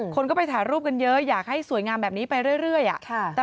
คนก็ไปถ่ายรูปกันเยอะอยากให้สวยงามแบบนี้ไปเรื่อย